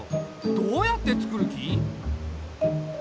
どうやってつくる気？